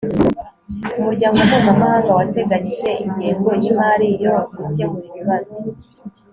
umuryango mpuzamahanga wateganyije ingengo y'imari yo gukemura ibibazo